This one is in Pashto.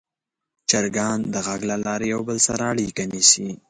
چرګان د غږ له لارې یو بل سره اړیکه نیسي.